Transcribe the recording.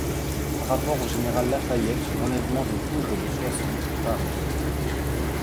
=Rapport au Général La Fayette sur l'enlèvement des poudres de Soissons.= Paris, Impr.